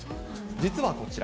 実はこちら。